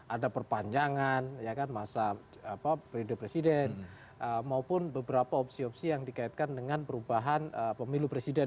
ada perpanjangan masa periode presiden maupun beberapa opsi opsi yang dikaitkan dengan perubahan pemilu presiden